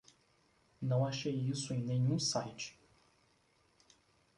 Não achei isso em nenhum site